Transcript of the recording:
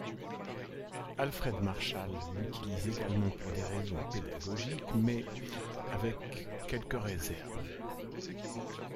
Alfred Marshall l'utilise également pour des raisons pédagogiques, mais avec quelques réserves.